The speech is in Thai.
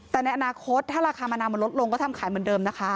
แต่ในอนาคตถ้าราคามะนาวมันลดลงก็ทำขายเหมือนเดิมนะคะ